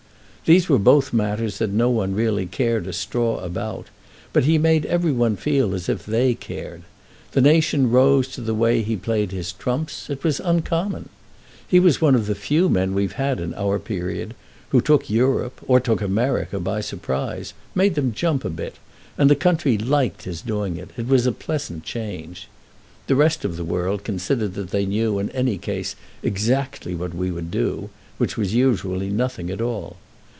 These were both matters that no one really cared a straw about, but he made every one feel as if they cared; the nation rose to the way he played his trumps—it was uncommon. He was one of the few men we've had, in our period, who took Europe, or took America, by surprise, made them jump a bit; and the country liked his doing it—it was a pleasant change. The rest of the world considered that they knew in any case exactly what we would do, which was usually nothing at all.